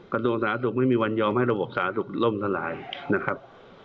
กระทรวงสาธารณสุขไม่มีวันยอมให้ระบบสาธารณสุขล่มทลายนะครับ